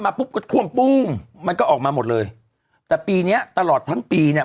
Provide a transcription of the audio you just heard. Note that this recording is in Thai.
ปุ๊บก็ท่วมปุ้มมันก็ออกมาหมดเลยแต่ปีเนี้ยตลอดทั้งปีเนี้ย